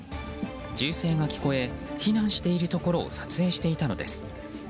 銃声が聞こえ避難しているところを撮影していたのです。